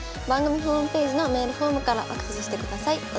番組ホームページのメールフォームからアクセスしてください。